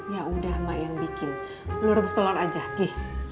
ya udah mak yang bikin lu rebus telor aja gi